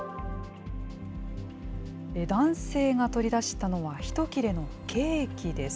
男性が取り出したのは、一切れのケーキです。